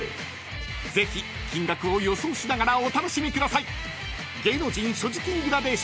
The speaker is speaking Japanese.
［ぜひ金額を予想しながらお楽しみください］